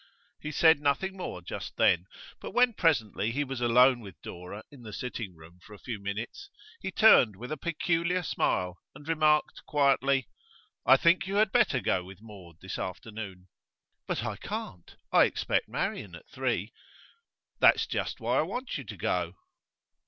He said nothing more just then, but when presently he was alone with Dora in the sitting room for a few minutes, he turned with a peculiar smile and remarked quietly: 'I think you had better go with Maud this afternoon.' 'But I can't. I expect Marian at three.' 'That's just why I want you to go.